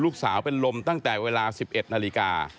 ลูกสาวเป็นลมตั้งแต่เวลา๑๑นาฬิกา